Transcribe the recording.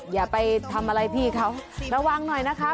อย่าไปทำอะไรพี่เขาระวังหน่อยนะคะ